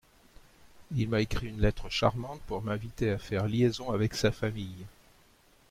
Il m'a écrit une lettre charmante pour m'inviter à faire liaison avec sa famille.